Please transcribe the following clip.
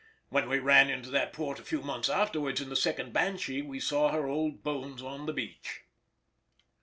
When we ran into that port a few months afterwards in the second Banshee we saw her old bones on the beach.